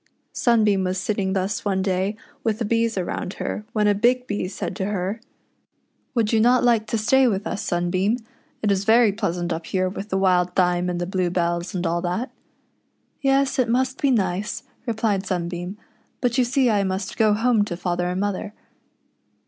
Sunbeam was sitting thus one day with the bees around her, when a Big Bee said to her, — "Would you not like to stay with us, Sunbeam } It is very pleasant up here with the wild th}'me and the blue bells, and all that." "Yes, it must be nice," replied Sunbeam ; "but you see I must go home to father and mother."